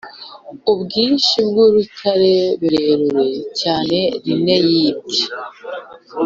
ubwinshi bwurutare, rurerure cyane rime yibye,